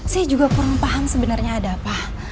saya juga kurang paham sebenarnya ada apa